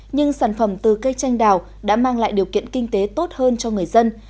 nhưng sản phẩm từ cây tranh đào đã mang lại điều kiện kinh tế tốt hơn cho người dân